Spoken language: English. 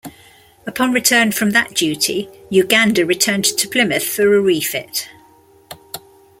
Upon return from that duty "Uganda" returned to Plymouth for a refit.